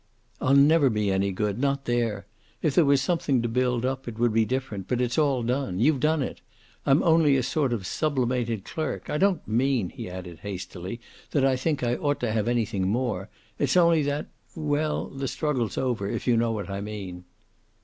"I'll never be any good. Not there. If there was something to build up it would be different, but it's all done. You've done it. I'm only a sort of sublimated clerk. I don't mean," he added hastily, "that I think I ought to have anything more. It's only that well, the struggle's over, if you know what I mean."